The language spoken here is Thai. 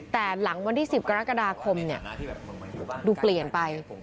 แต่หลังวันที่๑๐กรกฎาคมดูเปลี่ยนไป